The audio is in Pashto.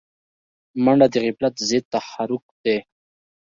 منډه د غفلت ضد تحرک دی